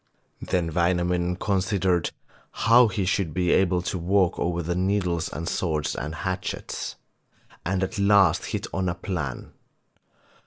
Then Wainamoinen considered how he should be able to walk over the needles and swords and hatchets, and at last hit on a plan.